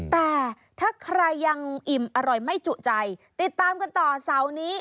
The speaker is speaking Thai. แต่ถ้าใครยังอิ่มอร่อยไม่จุใจติดตามกันต่อเสาร์นี้